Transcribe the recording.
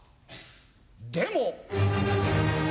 でも！